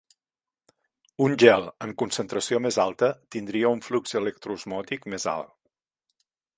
Un gel en concentració més alta tindria un flux electroosmòtic més alt.